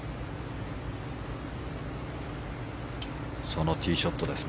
そのティーショットです。